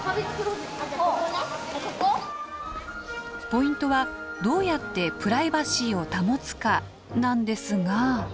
ポイントは「どうやってプライバシーを保つか」なんですが。